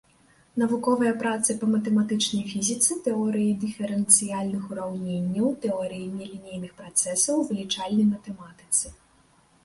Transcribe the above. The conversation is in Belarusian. Навуковыя працы па матэматычнай фізіцы, тэорыі дыферэнцыяльных ураўненняў, тэорыі нелінейных працэсаў, вылічальнай матэматыцы.